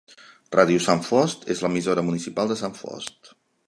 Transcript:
Ràdio Sant Fost és l’emissora municipal de Sant Fost.